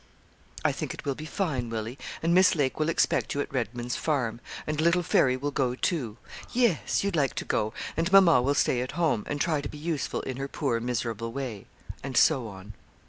'I think it will be fine, Willie, and Miss Lake will expect you at Redman's Farm; and little Fairy will go too; yes, you'd like to go, and mamma will stay at home, and try to be useful in her poor miserable way,' and so on.